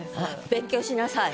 勉強しなさい。